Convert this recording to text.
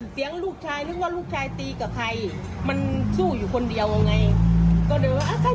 เสียงลูกชายนึกว่าลูกชายตีกับใคร